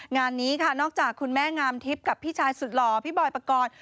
งานนี้ค่ะนอกจากคุณแม่งามทิพย์กับพี่ชายสุดหล่อพี่บอยปกรณ์